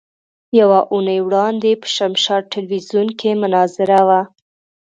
يوه اونۍ وړاندې په شمشاد ټلوېزيون کې مناظره وه.